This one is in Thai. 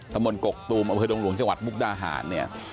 ทะมนต์กกตุมอหลวงจังหวัดมุกดาหารเนี่ย